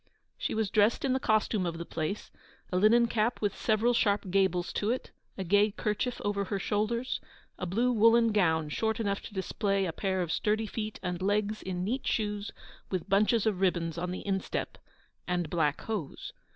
She was dressed in the costume of the place: a linen cap with several sharp gables to it, a gay kerchief over her shoulders, a blue woollen gown short enough to display a pair of sturdy feet and legs in neat shoes with bunches of ribbons on the instep and black hose.